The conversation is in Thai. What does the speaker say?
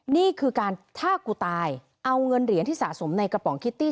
นี่คือการถ้ากูตายเอาเงินเหรียญที่สะสมในกระป๋องคิตตี้